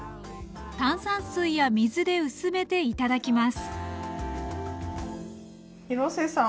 炭酸水や水で薄めて頂きます廣瀬さん